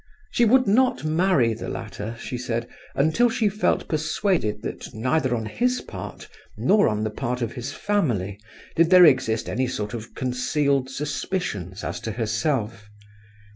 She would not marry the latter, she said, until she felt persuaded that neither on his part nor on the part of his family did there exist any sort of concealed suspicions as to herself.